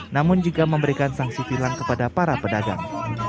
namun juga memberikan sanksi vilang kepada para pedagang